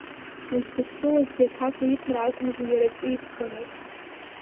Уздышшылазгьы аҭак уиҭар акәымзи, иара ҿиҭӡомызт.